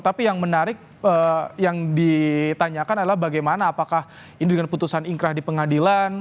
tapi yang menarik yang ditanyakan adalah bagaimana apakah ini dengan putusan ingkrah di pengadilan